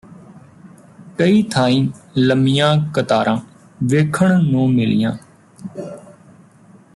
ਕਈ ਥਾਈਂ ਲੰਮੀਆਂ ਕਤਾਰਾਂ ਵੇਖਣ ਨੂੰ ਮਿਲੀਆਂ